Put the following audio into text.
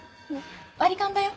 割り勘だよ。